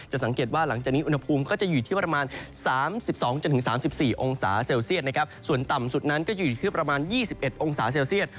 สังเกตว่าหลังจากนี้อุณหภูมิก็จะอยู่ที่ประมาณ๓๒๓๔องศาเซลเซียตนะครับส่วนต่ำสุดนั้นก็จะอยู่ที่ประมาณ๒๑องศาเซลเซียต